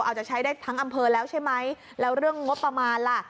อาจจะใช้ได้ทั้งอำเภอแล้วใช่ไหมแล้วเรื่องงบประมาณล่ะ